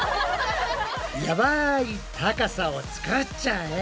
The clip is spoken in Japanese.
やばい高さを作っちゃえ！